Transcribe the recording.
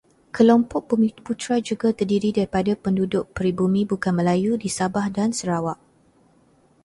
Kelompok bumiputera juga terdiri daripada penduduk peribumi bukan Melayu di Sabah dan Sarawak.